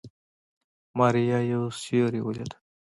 ماريا يو سيوری وليد.